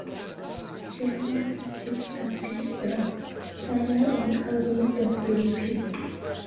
Theodore senses something is wrong; Simon and Alvin don't believe him.